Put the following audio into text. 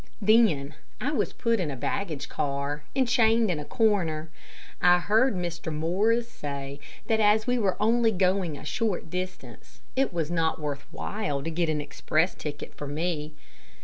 Then I was put in a baggage car and chained in a corner. I heard Mr. Morris say that as we were only going a short distance, it was not worth while to get an express ticket for me.